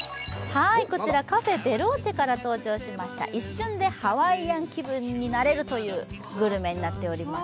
カフェ・ベローチェから登場しました、一瞬でハワイアン気分になれるというグルメになっております。